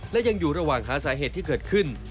และยังอยู่ระหว่างหาสาเหตุที่เกิดขึ้น